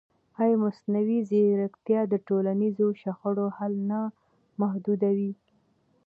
ایا مصنوعي ځیرکتیا د ټولنیزو شخړو حل نه محدودوي؟